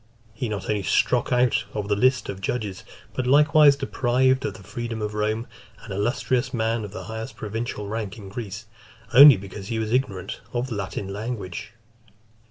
He not only struck out of the list of judges, but likewise deprived of the freedom of Rome, an illustrious man of the highest provincial rank in Greece, only because he was ignorant of the Latin language.